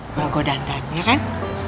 kalau gue dandan ya kan